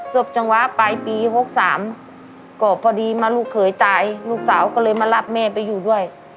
จังหวะปลายปี๖๓ก็พอดีมาลูกเขยตายลูกสาวก็เลยมารับแม่ไปอยู่ด้วย